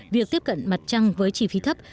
việc tiếp cận mặt trăng với trí phí thấp